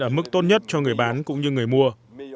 ở mức tốt nhất cho người bán cũng như người mua